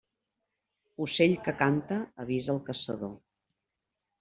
Ocell que canta avisa el caçador.